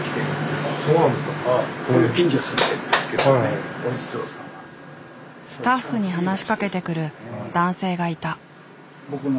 スタッフに話しかけてくる男性がいた。